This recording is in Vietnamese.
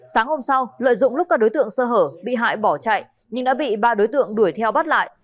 sáng hôm sau lợi dụng lúc các đối tượng sơ hở bị hại bỏ chạy nhưng đã bị ba đối tượng đuổi theo bắt lại